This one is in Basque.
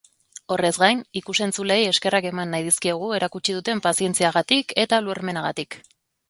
Horrez gain, ikus-entzuleei eskerrak eman nahi dizkiegu erakutsi duten pazientziagatik eta ulermenagatik.